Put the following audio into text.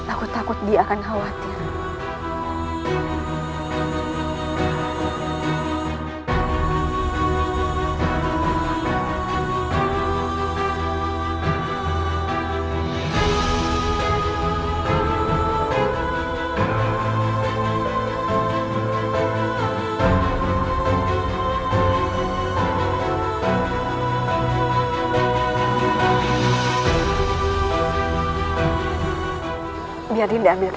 aku takut dia akan khawatir